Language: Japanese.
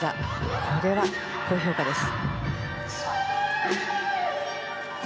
これは高評価です。